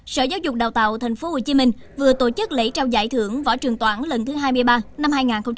sở giáo dục đào tạo tp hcm vừa tổ chức lễ trao giải thưởng võ trường toản lần thứ hai mươi ba năm hai nghìn hai mươi